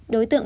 đối tượng một